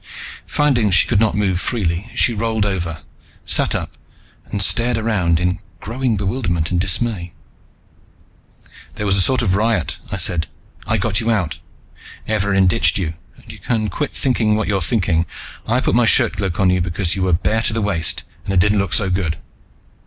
Finding she could not move freely, she rolled over, sat up and stared around in growing bewilderment and dismay. "There was a sort of riot," I said. "I got you out. Evarin ditched you. And you can quit thinking what you're thinking, I put my shirtcloak on you because you were bare to the waist and it didn't look so good."